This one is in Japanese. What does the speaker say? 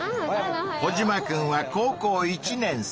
コジマくんは高校１年生。